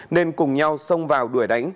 nên cùng nhau xông vào đuổi đánh